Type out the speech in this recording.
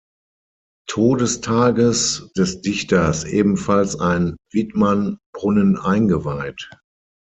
Todestages des Dichters ebenfalls ein Widmann-Brunnen eingeweiht.